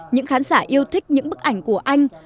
những khán giả yêu thích những bức ảnh của anh